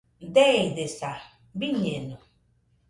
Deidesaa, biñeno